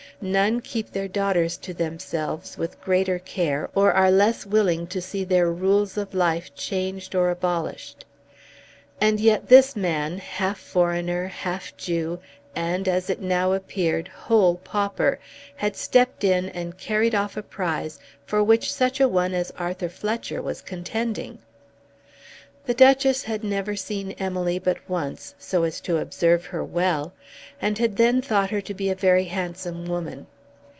None keep their daughters to themselves with greater care, or are less willing to see their rules of life changed or abolished. And yet this man, half foreigner half Jew, and as it now appeared, whole pauper, had stepped in and carried off a prize for which such a one as Arthur Fletcher was contending! The Duchess had never seen Emily but once, so as to observe her well, and had then thought her to be a very handsome woman.